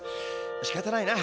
しかたないな。